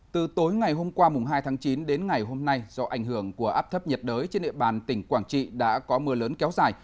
từ tối ngày hôm qua hai tháng chín đến ngày hôm nay do ảnh hưởng của áp thấp nhiệt đới trên địa bàn tỉnh quảng trị đã có mưa lớn kéo dài